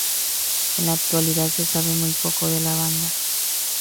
En la actualidad se sabe muy poco de la banda.